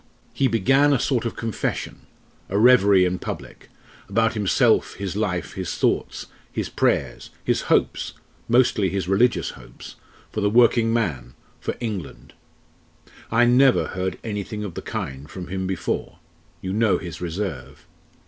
He began a sort of confession a reverie in public about himself, his life, his thoughts, his prayers, his hopes mostly his religious hopes for the working man, for England I never heard anything of the kind from him before you know his reserve.